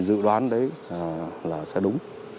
dự đoán đấy là sẽ đúng